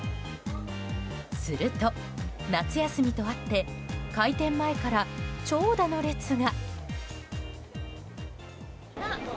すると、夏休みとあって開店前から長蛇の列が。